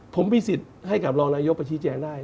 ผมมีสิทธิ์ให้กับรองนายกประชี้แจงได้